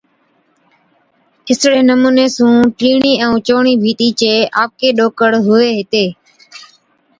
اِسڙي نمُوني سُون ٽِيڻِي ائُون چَئُوڻِي ڀِيتي چي آپڪي ڏوڪر هُوَي هِتي۔